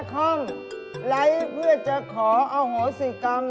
เก็บไว้ทำอะไรน่ะ